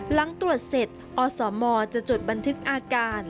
หลังตรวจเสร็จอสมจะจดบันทึกอาการ